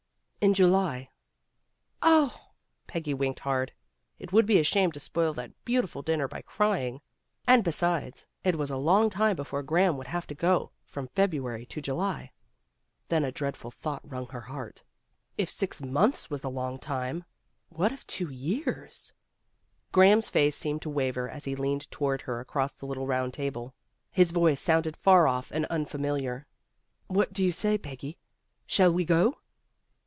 "In July." "Oh!" Peggy winked hard. It would be a shame to spoil that beautiful dinner by crying. And besides, it was a long time before Graham would have to go, from February to July. Then a dreadful thought wrung her heart. If 248 PEGGY RAYMOND'S WAY six months was a long time, what of two years ? Graham's face seemed to waver as he leaned toward her across the little round table. His voice sounded far off and unfamiliar. "What do you say, Peggy ? Shall we go